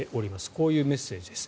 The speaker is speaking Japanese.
こういうメッセージです。